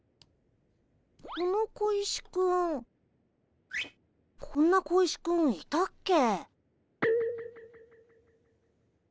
この小石くんこんな小石くんいたっけ？